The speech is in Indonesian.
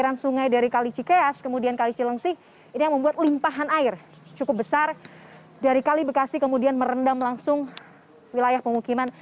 pondok gede permai jatiasi pada minggu pagi